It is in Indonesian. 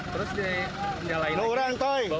terus di nyalain lagi